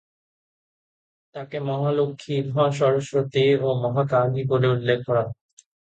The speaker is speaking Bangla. তাঁকে মহালক্ষ্মী, মহা সরস্বতী ও মহাকালী বলে উল্লেখ করা হয়।